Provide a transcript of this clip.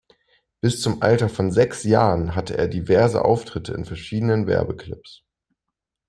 Bis zum Alter von sechs Jahren hatte er diverse Auftritte in verschiedenen Werbeclips.